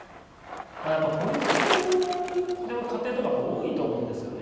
孤立してる家庭とかやっぱ多いと思うんですよね。